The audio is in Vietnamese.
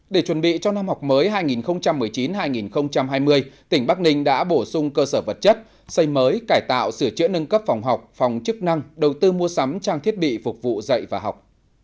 để chuẩn bị cho năm học mới hai nghìn một mươi chín hai nghìn hai mươi tỉnh bắc ninh đã bổ sung cơ sở vật chất xây mới cải tạo sửa chữa nâng cấp phòng học phòng chức năng đầu tư mua sắm trang thiết bị phục vụ dạy và học